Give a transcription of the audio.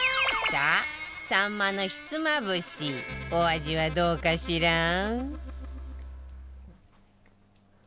さあさんまのひつまぶしお味はどうかしら？